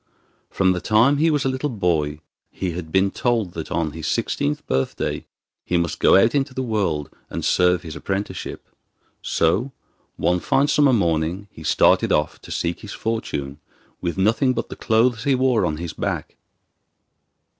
From the time he was a little boy he had been told that on his sixteenth birthday he must go out into the world and serve his apprenticeship. So, one fine summer morning, he started off to seek his fortune with nothing but the clothes he wore on his back.